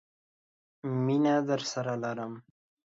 مينه درسره لرم.